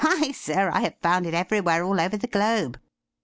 Why, sir, I have found it everywhere all over the globe.